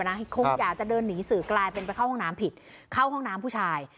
คงอยากจะเดินหนีสื่อกลายเป็นไปเข้าห้องน้ำผิดเข้าห้องน้ำผู้ชาย